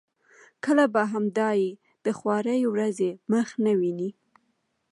کله به هم دای د خوارې ورځې مخ نه وویني.